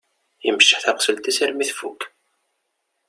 Imceḥ taqessult-is armi tfukk.